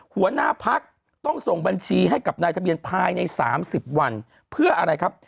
หัวหน้าพักต้องส่งบัญชีให้กับนายทะเบียนภายใน๓๐วันเพื่ออะไรครับ